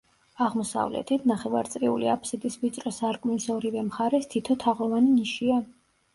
აღმოსავლეთით, ნახევარწრიული აფსიდის ვიწრო სარკმლის ორივე მხარეს თითო თაღოვანი ნიშია.